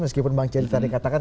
meskipun bang celi tadi katakan